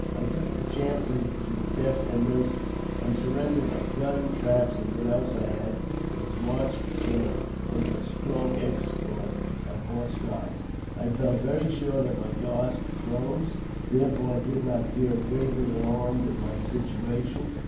I took the chances between death and mercy ; I surrendered my gun, traps, and what else I had, and was marched to camp under a strong escort of horse guards. I felt very sure that my guards were Crows, therefore I did not feel greatly alarmed at my situation.